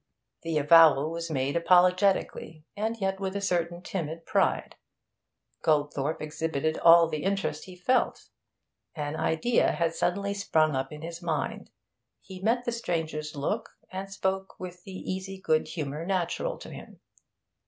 The avowal was made apologetically, and yet with a certain timid pride. Goldthorpe exhibited all the interest he felt. An idea had suddenly sprung up in his mind; he met the stranger's look, and spoke with the easy good humour natural to him.